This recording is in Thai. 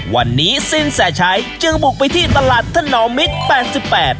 วันนี้สินแสชัยจึงบุกไปที่ตลาดถนอมมิตรแปดสิบแปด